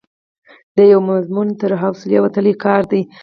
د یوه مضمون تر حوصلې وتلی کار دی.